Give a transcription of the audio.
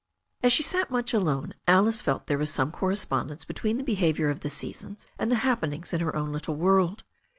As she sat much alone Alice felt there was some cor respondence between the behaviour of the seasons and the happenings in her own little world.